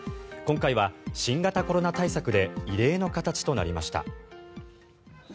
今回は新型コロナ対策で異例の形となりました。